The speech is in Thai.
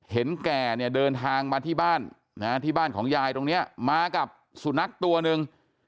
แก่เนี่ยเดินทางมาที่บ้านที่บ้านของยายตรงนี้มากับสุนัขตัวหนึ่ง